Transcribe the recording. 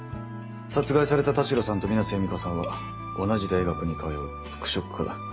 殺害された田代さんと水無瀬弓花さんは同じ大学に通う服飾科だ。